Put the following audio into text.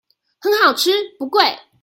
很好吃不貴